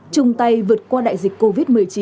chung tay vượt qua đại dịch covid một mươi chín